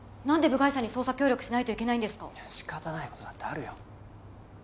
なんで部外者に捜査協力しないといけないんですかしかたないことだってあるよ